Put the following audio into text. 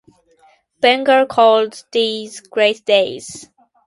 Bengel calls these Great Days!